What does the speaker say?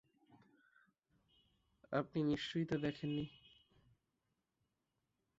আপনি নিশ্চয়ই তা দেখেন নি?